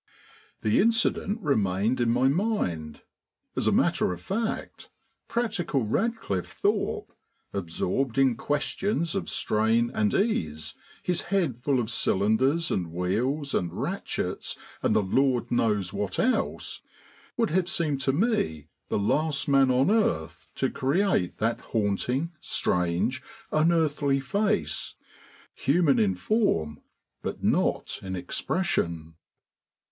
The incident remained in my mind. As a matter of fact, practical Radcliffe Thorpe, absorbed in questions of strain and ease, his head full of cylinders and wheels and ratchets and the Lord knows what else, would have seemed to me the last man on earth to create that haunting, strange, unearthly face, human in form, but not in expression.